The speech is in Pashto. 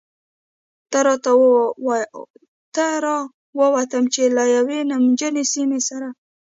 ته را ووتم، چې له یوې نمجنې سیمې سره.